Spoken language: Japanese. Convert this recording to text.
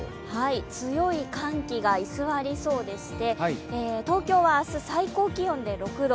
強い寒気が居すわりそうでして東京は明日、最高気温で６度。